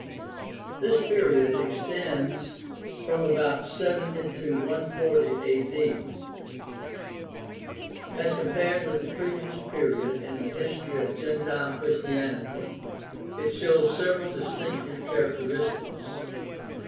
— This period extends from about 70 to 140 A.D. As compared with the previous period in the history of gentile Christianity, it shows several distinctive characteristics.